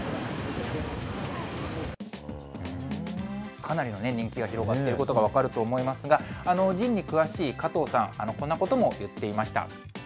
かなりの人気が広がっていることが分かると思いますが、ＺＩＮＥに詳しい加藤さん、こんなことも言っていました。